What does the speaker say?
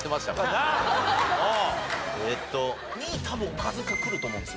えっと２位多分おかずがくると思うんです